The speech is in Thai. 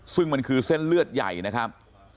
ซึ่งมันคือเส้นเลือดใหญ่นะครับ